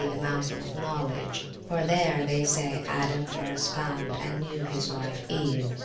the Mountain of Knowledge; for [p.374] there, they say, Adam first found and knew his wife Eve.